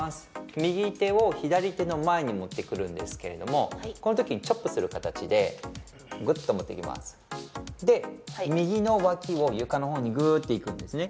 右手を左手の前に持ってくるんですけれどもこのときにチョップする形でグッと持ってきますで右の脇を床の方にグっていくんですね